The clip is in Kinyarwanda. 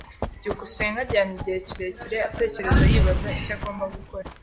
byukusenge aryamye igihe kirekire atekereza yibaza icyo agomba gukora.